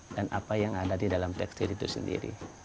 dan apa yang ada di dalam tekstil itu sendiri